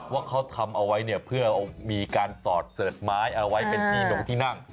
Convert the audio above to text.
ว่าเขาทำเอาไว้เนี่ยเพื่อมีการสอดเสิร์ชไม้เอาไว้เป็นที่หลงที่นั่ง